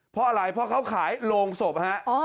เพราะอะไรเพราะเขาขายโรงศพฮะ